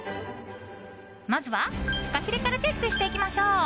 まずはフカヒレからチェックしていきましょう。